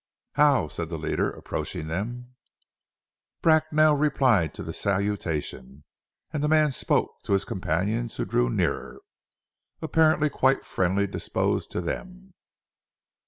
"How!" said the leader, approaching them. Bracknell replied to the salutation, and the man spoke to his companions who drew nearer, apparently quite friendly disposed to them.